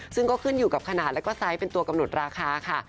ซึ่งก็ขึ้นอยู่กับขนาดแล้วก็ไซส์เป็นตัวกำหนดราคาค่ะ